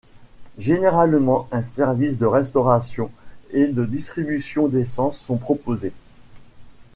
Généralement, un service de restauration et de distribution d'essence sont proposés.